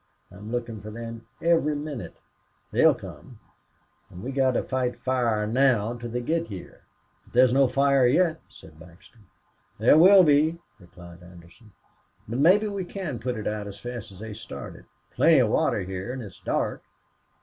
I'm lookin' for them every minnit. They'll come. An' we've got to fight fire now till they get here." "But there's no fire yet," said Baxter. "There will be," replied Anderson. "But mebbe we can put it out as fast as they start it. Plenty of water here. An' it's dark.